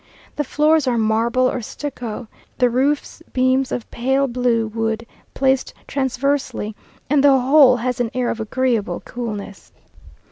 The floors are marble or stucco the roofs beams of pale blue wood placed transversely, and the whole has an air of agreeable coolness.